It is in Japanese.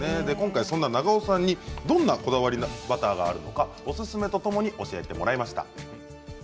そんな長尾さんにどんなこだわりのバターがあるのかおすすめとともに教えてもらいました。